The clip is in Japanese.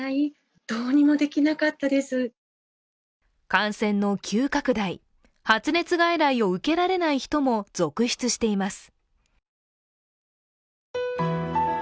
感染の急拡大、発熱外来を受けられない人も続出しています。